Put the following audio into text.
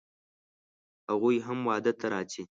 هغوی هم واده ته راځي